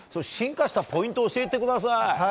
進化したポイントを教えてください。